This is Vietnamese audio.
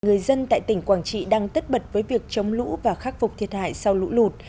người dân tại tỉnh quảng trị đang tất bật với việc chống lũ và khắc phục thiệt hại sau lũ lụt